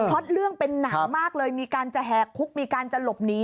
เพราะเรื่องเป็นหนังมากเลยมีการจะแหกคุกมีการจะหลบหนี